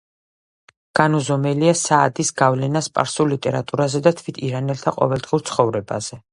განუზომელია საადის გავლენა სპარსულ ლიტერატურაზე და თვით ირანელთა ყოველდღიურ ცხოვრებაზე.